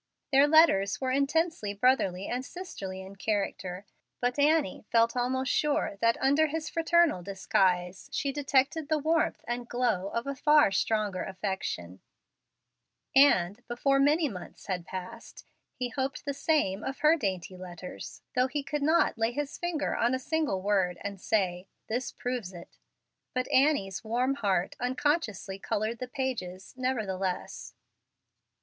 Their letters were intensely brotherly and sisterly in character, but Annie felt almost sure that, under his fraternal disguise, she detected the warmth and glow of a far stronger affection; and, before many months had passed, he hoped the same of her dainty letters, though he could not lay his finger on a single word and say, "This proves it." But Annie's warm heart unconsciously colored the pages, nevertheless.